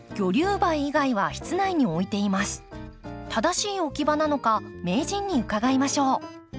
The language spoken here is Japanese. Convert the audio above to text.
正しい置き場なのか名人に伺いましょう。